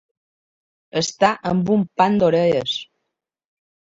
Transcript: Estar amb un pam d'orelles.